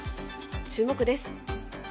注目です。